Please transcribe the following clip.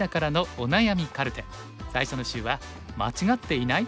最初の週は「間違っていない？